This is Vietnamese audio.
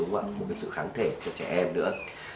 một sự kháng thể cho trẻ em nữa